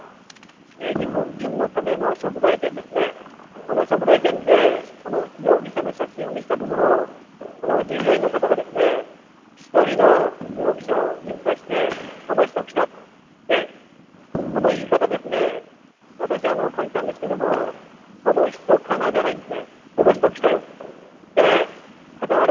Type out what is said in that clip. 日本人のための食材店ですね、この食材店で容疑者の写真を見せたところ、従業員の方が１人の容疑者を指さして、「この人来た」と、その言い方ですね、私は感じたんですけど、この人かな？じゃないです。